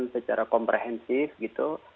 secara komprehensif gitu